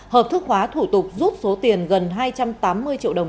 hợp thức hóa thủ tục rút số tiền gần hai trăm tám mươi triệu đồng